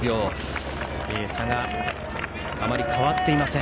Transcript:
差があまり変わっていません。